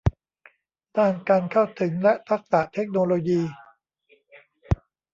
ด้านการเข้าถึงและทักษะเทคโนโลยี